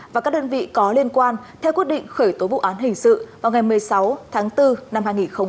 và các đơn vị có liên quan theo quyết định khởi tố vụ án hình sự vào ngày một mươi sáu tháng bốn năm hai nghìn hai mươi